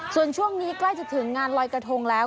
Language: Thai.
ส่วนช่วงนี้ใกล้จะถึงงานลอยกระทงแล้ว